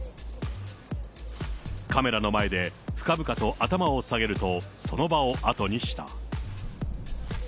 カメラの前で深々と頭を下げると、その場を後にした。